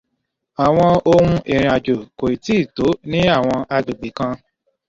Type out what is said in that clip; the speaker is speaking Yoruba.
Àwọn ohun ìrìn àjò kò ì tí ì tò ní àwọn agbègbè kan.